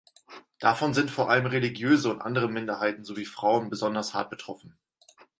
Davon sind vor allem religiöse und andere Minderheiten sowie Frauen besonders hart betroffen.